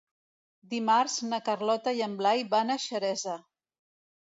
Dimarts na Carlota i en Blai van a Xeresa.